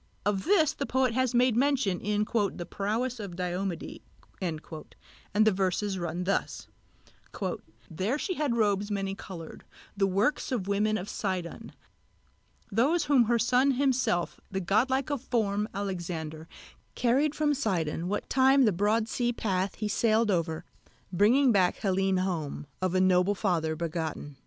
Of this the poet has made mention in the "prowess of Diomede," and the verses run thus: "There she had robes many coloured, the works of women of Sidon, Those whom her son himself the god like of form Alexander Carried from Sidon, what time the broad sea path he sailed over Bringing back Helene home, of a noble father begotten."